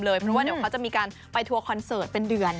เพราะว่าเดี๋ยวเขาจะมีการไปทัวร์คอนเสิร์ตเป็นเดือน